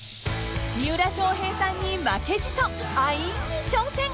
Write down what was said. ［三浦翔平さんに負けじとアインに挑戦！］